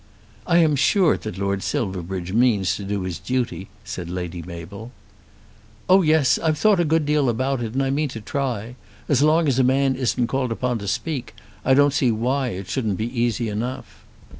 "I am sure that Lord Silverbridge means to do his duty," said Lady Mabel. "Oh yes; I've thought a good deal about it, and I mean to try. As long as a man isn't called upon to speak I don't see why it shouldn't be easy enough."